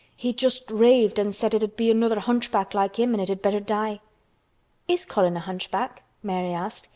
He just raved and said it'd be another hunchback like him and it'd better die." "Is Colin a hunchback?" Mary asked.